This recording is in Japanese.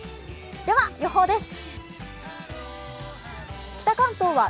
では、予報です。